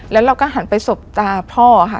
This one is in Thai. แล้วเราก็หันไปสบตาพ่อค่ะ